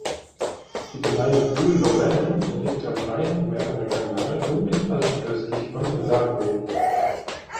Die Gemeinde Buhl-Lorraine liegt am Rhein-Marne-Kanal, unmittelbar südöstlich von Sarrebourg.